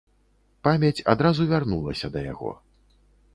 Памяць адразу вярнулася да яго.